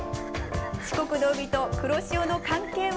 四国の海と黒潮の関係は？